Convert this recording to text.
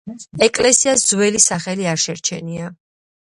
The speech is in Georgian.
ეკლესიას ძველი სახელი არ შერჩენია.